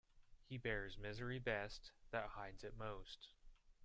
He bears misery best that hides it most.